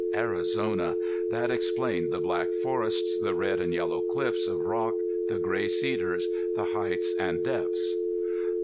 Arizona! That explained the black forests, the red and yellow cliffs of rock, the gray cedars, the heights and depths.